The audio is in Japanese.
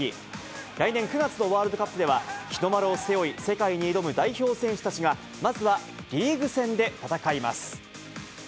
来年９月のワールドカップでは、日の丸を背負い、世界に挑む代表選手たちが、まずはリーグ戦で戦います。